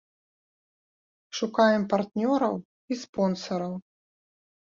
Шукаем партнёраў і спонсараў.